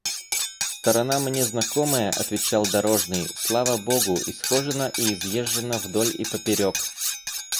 – Сторона мне знакомая, – отвечал дорожный, – слава богу, исхожена и изъезжена вдоль и поперек.